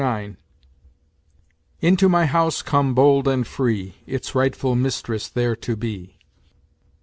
IX " Into my house come bold and free, Its rightful mistress there to be."